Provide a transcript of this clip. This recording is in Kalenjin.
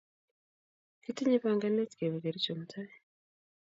Kitinye panganet kepe Kericho mutai.